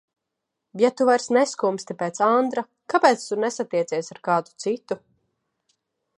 Ja tu vairs neskumsti pēc Andra, kāpēc tu nesatiecies ar kādu citu?